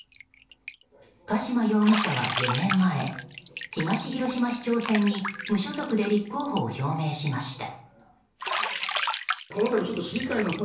加島容疑者は４年前東広島市長選に無所属で立候補を表明しました。